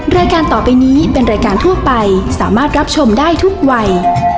รายการต่อไปนี้เป็นรายการทั่วไปสามารถรับชมได้ทุกวัย